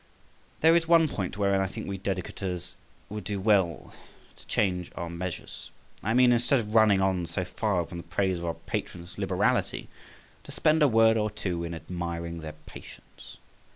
There is one point wherein I think we dedicators would do well to change our measures; I mean, instead of running on so far upon the praise of our patron's liberality, to spend a word or two in admiring their patience.